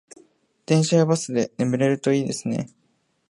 電車やバスで眠れるといいですね